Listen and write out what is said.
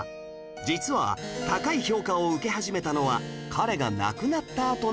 実は高い評価を受け始めたのは彼が亡くなったあとの事